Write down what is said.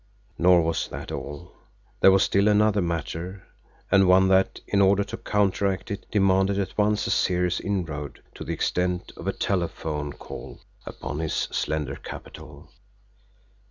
Nor was that all. There was still another matter, and one that, in order to counteract it, demanded at once a serious inroad to the extent of a telephone call upon his slender capital.